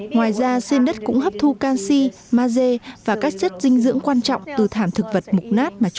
ngoài ra sen đất cũng hấp thu canxi maze và các chất dinh dưỡng quan trọng từ thảm thực vật mục nát mà trứng